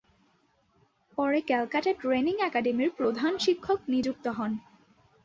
পরে ক্যালকাটা ট্রেনিং একাডেমীর প্রধান শিক্ষক নিযুক্ত হন।